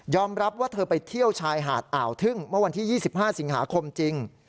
ยอมรับว่าเธอไปเที่ยวชายหาดอ่าวถึงเมื่อวันที่ยี่สิบห้าสิงหาคมจริง